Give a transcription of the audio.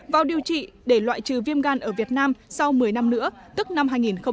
vào điều trị để loại trừ viêm gan ở việt nam sau một mươi năm nữa tức năm hai nghìn một mươi năm